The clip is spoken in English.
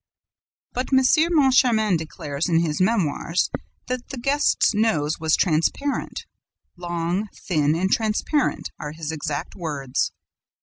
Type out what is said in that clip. But M. Moncharmin declares, in his Memoirs, that the guest's nose was transparent: "long, thin and transparent" are his exact words.